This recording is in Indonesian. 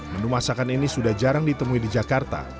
menu masakan ini sudah jarang ditemui di jakarta